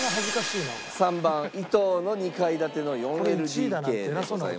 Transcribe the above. ３番伊東の２階建ての４ＬＤＫでございました。